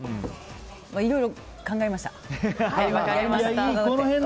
いろいろ考えました。